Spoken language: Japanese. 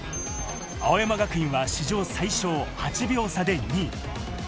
青山学院は史上最小、８秒差で２位。